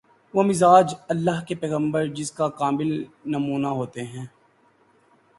وہ مزاج‘ اللہ کے پیغمبر جس کا کامل نمونہ ہوتے ہیں۔